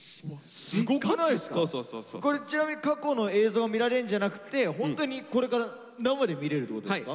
これちなみに過去の映像見られんじゃなくてホントにこれから生で見れるってことですか？